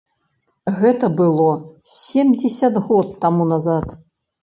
Гэта было семдзесят год таму назад.